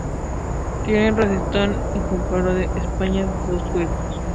Tiene rosetón y campanario de espadaña de dos huecos.